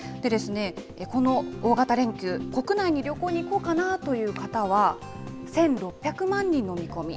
この大型連休、国内に旅行に行こうかなという方は１６００万人の見込み。